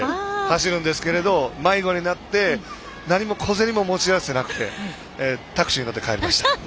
迷子になって何も小銭も持ち合わせてなくてタクシーに乗って帰りました。